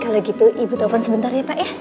kalau gitu ibu telepon sebentar ya pak ya